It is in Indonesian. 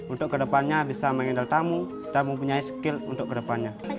untuk ke depannya bisa mengendal tamu dan mempunyai skill untuk ke depannya